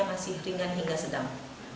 masih ringan hingga sedang